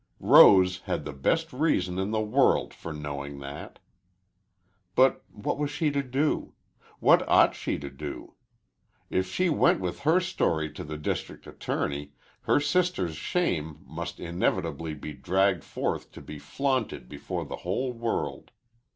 Rose had the best reason in the world for knowing that. But what was she to do? What ought she to do? If she went with her story to the district attorney, her sister's shame must inevitably be dragged forth to be flaunted before the whole world.